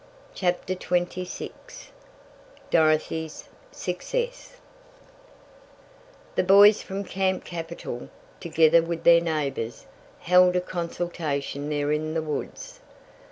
CHAPTER XXVI DOROTHY'S SUCCESS The boys from Camp Capital, together with their neighbors, held a consultation there in the woods.